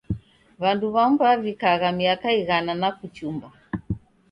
W'andu w'amu w'avikagha miaka ighana na kuchumba.